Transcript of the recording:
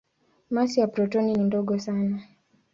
Masi ya protoni ni ndogo sana.